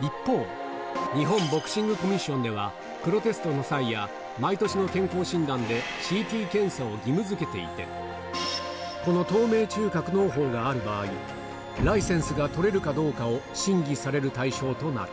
一方、日本ボクシングコミッションでは、プロテストの際や、毎年の健康診断でＣＴ検査を義務づけていて、この透明中隔のう胞がある場合、ライセンスが取れるかどうかを審議される対象となる。